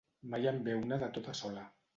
Mai en ve una de tota sola.